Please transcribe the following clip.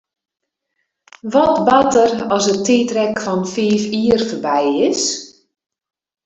Wat bart der as it tiidrek fan fiif jier foarby is?